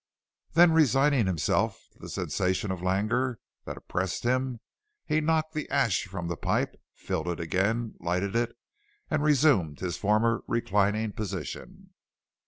Then, resigning himself to the sensation of languor that oppressed him, he knocked the ash from the pipe, filled it again, lighted it, and resumed his former reclining position.